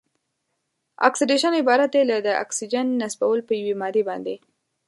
اکسیدیشن عبارت دی له د اکسیجن نصبول په یوې مادې باندې.